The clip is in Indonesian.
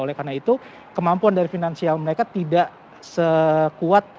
oleh karena itu kemampuan dari finansial mereka tidak sekuat